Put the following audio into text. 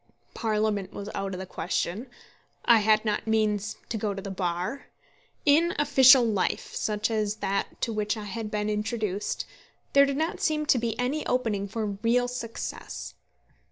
Parliament was out of the question. I had not means to go to the Bar. In official life, such as that to which I had been introduced, there did not seem to be any opening for real success.